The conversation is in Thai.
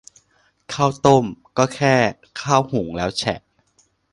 ข้าวต้ม ก็แค่ข้าวหุงแล้วแฉะ